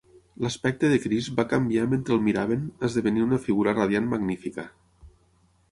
L'aspecte de Crist va canviar mentre el miraven esdevenint una figura radiant magnífica.